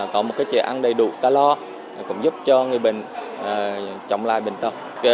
có một cái chế ăn đầy đủ calor cũng giúp cho người bệnh chống lại bệnh tâm